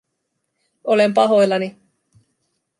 Olen pahoillani